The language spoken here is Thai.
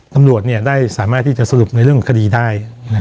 ตำรวจได้สามารถที่จะสรุปในเรื่องคดีได้